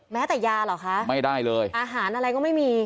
แม้แต่ยาเหรอคะไม่ได้เลยอาหารอะไรก็ไม่มี